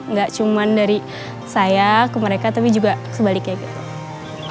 nggak cuma dari saya ke mereka tapi juga sebaliknya gitu